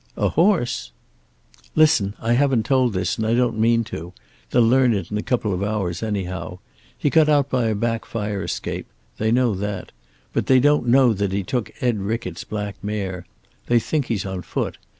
"A horse!" "Listen. I haven't told this, and I don't mean to. They'll learn it in a couple of hours, anyhow. He got out by a back fire escape they know that. But they don't know he took Ed Rickett's black mare. They think he's on foot.